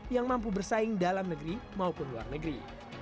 yang mampu bersaing dalam negeri maupun luar negeri